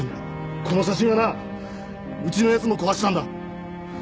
この写真はなうちの奴も壊したんだ。